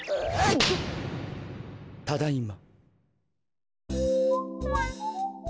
ただいま。